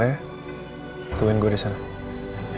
tungguin gue disana